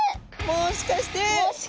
もしかして。